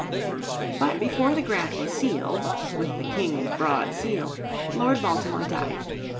But before the grant was sealed "with the King's broad seal" Lord Baltimore died.